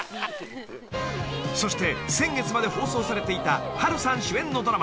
［そして先月まで放送されていた波瑠さん主演のドラマ